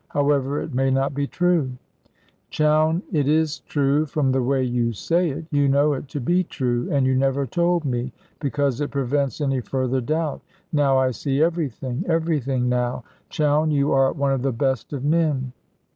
However, it may not be true." "Chowne, it is true, from the way you say it. You know it to be true; and you never told me, because it prevents any further doubt. Now I see everything, everything now. Chowne, you are one of the best of men."